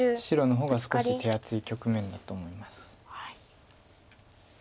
白の方が少し手厚い局面だと思います。